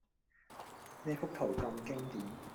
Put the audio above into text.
呢幅圖咁經典